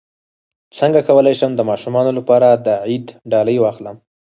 څنګه کولی شم د ماشومانو لپاره د عید ډالۍ واخلم